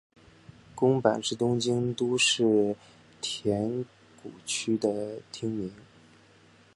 宫坂是东京都世田谷区的町名。